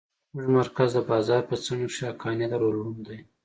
زموږ مرکز د بازار په څنډه کښې حقانيه دارالعلوم دى.